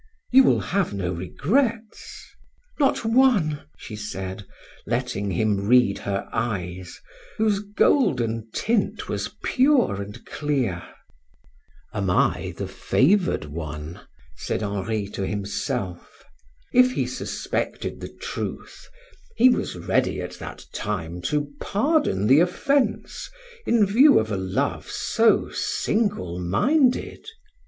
"You will have no regrets?" "Not one"! she said, letting him read her eyes, whose golden tint was pure and clear. "Am I the favored one?" said Henri to himself. If he suspected the truth, he was ready at that time to pardon the offence in view of a love so single minded.